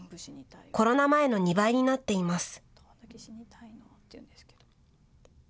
コロナ前の２倍になっています。